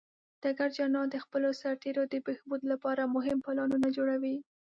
ډګر جنرال د خپلو سرتیرو د بهبود لپاره مهم پلانونه جوړوي.